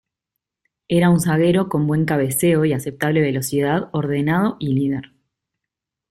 Era un zaguero con buen cabeceo y aceptable velocidad, ordenado y líder.